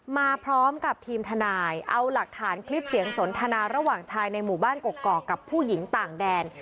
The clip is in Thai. มาพร้อมกับทีมทนายเอาหลักฐานคลิปเสียงสนทนาระหว่างชายในหมู่บ้านกกอกกับผู้หญิงต่างแดน